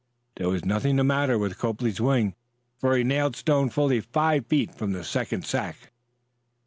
There was nothing the matter with Copley's wing, for he nailed Stone fully five feet from the second sack.